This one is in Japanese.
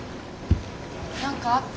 何かあった？